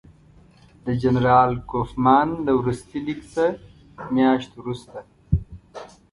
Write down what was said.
د جنرال کوفمان له وروستي لیک څه میاشت وروسته.